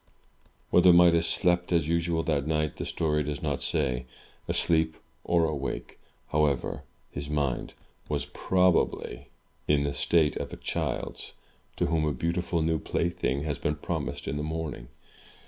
Whether Midas slept as usual that night, the story does not say. Asleep or awake, however, his mind was probably V7 MY BOOK HOUSE in the state of a child's, to whom a beautiful new plaything has been promised in the morning.